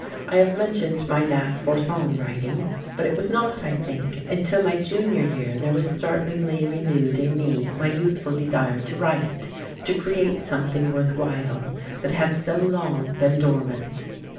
I have mentioned my knack for song writing; but it was not, I think, until my junior year there was startlingly renewed in me my youthful desire to write, to create something worth while, that had so long been dormant.